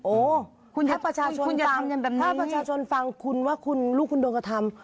โอ้ถ้าประชาชนฟังคุณว่าลูกคุณโดนกระทำ